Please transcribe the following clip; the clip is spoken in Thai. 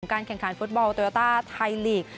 แข่งขันฟุตบอลโยต้าไทยลีก